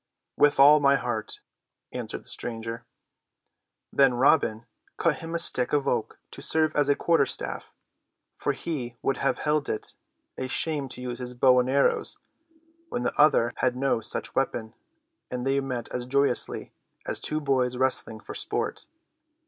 "With all my heart," answered the stranger. Then Robin cut him a stick of oak to serve as a quarter staff, for he would have held it a shame to use his bow and arrows when the other had no such weapon, and they met as joyously as two boys wrestling for sport.